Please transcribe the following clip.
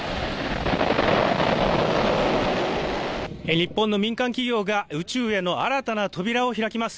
日本の民間企業が宇宙への新たな扉を開きます。